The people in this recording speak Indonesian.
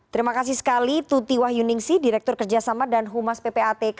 terima kasih sekali tuti wahyuningsi direktur kerjasama dan humas ppatk